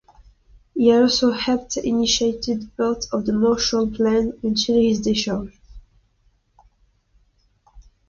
He also helped initiate parts of the Marshall Plan until his discharge.